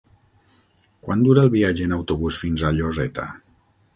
Quant dura el viatge en autobús fins a Lloseta?